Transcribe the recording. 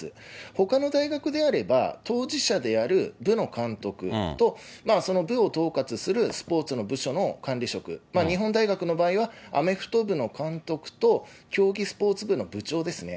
ほかの大学であれば、当事者である部の監督と、その部を統括するスポーツの部署の管理職、日本大学の場合は、アメフト部の監督と競技スポーツ部の部長ですね。